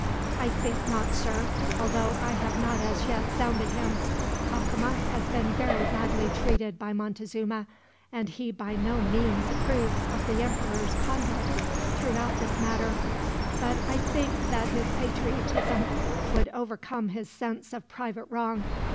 "I think not, sir; although I have not as yet sounded him. Cacama has been very badly treated by Montezuma, and he by no means approves of the emperor's conduct throughout this matter, but I think that his patriotism would overcome his sense of private wrong.